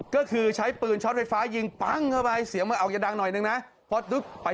ก็คือใช้ปืนช็อตไฟฟ้ายิงปั๊งเข้าไป